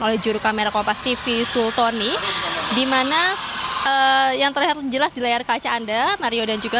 oleh juru kamera kompas tv sultoni di mana yang terlihat jelas di layar kaca anda mario dan juga